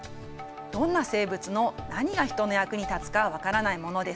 どんな生物の何がヒトの役に立つか分からないものですね。